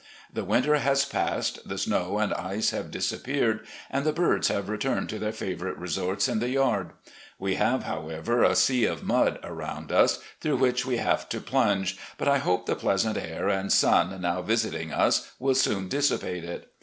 The winter has passed, the snow and ice have disappeared, and the birds have returned to their favourite resorts in the yard. We have, however, a sea of mud around us, through which we have to plimge, but I hope the pleasant air and sun now visiting us will soon dissipate it.